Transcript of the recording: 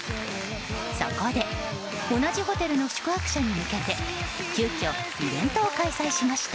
そこで同じホテルの宿泊者に向けて急きょイベントを開催しました。